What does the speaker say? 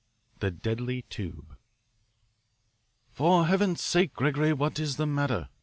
The Deadly Tube "For Heaven's sake, Gregory, what is the matter?"